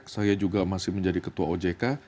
saya juga masih menjadi ketua ojk